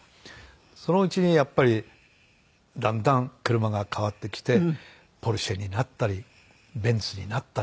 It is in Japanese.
そのうちにやっぱりだんだん車が変わってきてポルシェになったりベンツになったり。